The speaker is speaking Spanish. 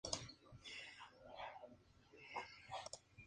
Se le considera un pionero en la astronomía lunar.